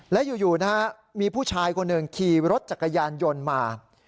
และอยู่นะฮะมีผู้ชายคนหนึ่งขี่รถจักรยานยนต์มา